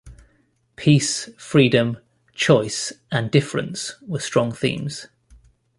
Peace, freedom, choice and difference were strong themes.